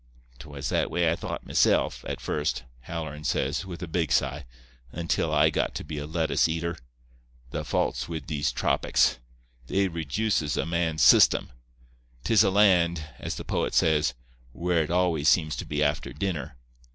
"''Twas that way I thought, mesilf, at first,' Halloran says, with a big sigh, 'until I got to be a lettuce eater. The fault's wid these tropics. They rejuices a man's system. 'Tis a land, as the poet says, "Where it always seems to be after dinner."